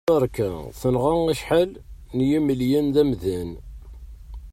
Tterka tenɣa acḥal n imelyan d amdan.